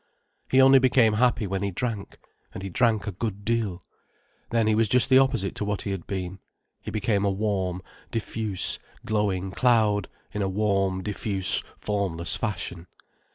He only became happy when he drank, and he drank a good deal. Then he was just the opposite to what he had been. He became a warm, diffuse, glowing cloud, in a warm, diffuse formless fashion.